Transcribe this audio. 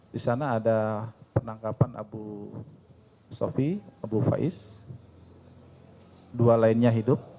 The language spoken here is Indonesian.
di sana ada penangkapan abu sofi abu faiz dua lainnya hidup